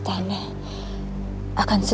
tapi kalau anda